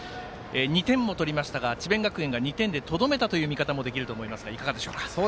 ２点も取りましたが智弁学園が２点でとどめたという見方もできると思いますがいかがでしょうか？